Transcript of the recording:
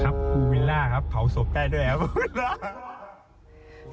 ครับภูวิล่าครับเผาศพได้ด้วยครับภูวิล่า